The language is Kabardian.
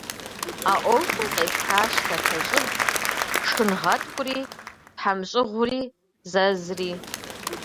А ӏуэхум къепхащ лъатэщӏыб шхынгъэткӏури, тхьэмщӏыгъури, зэзри.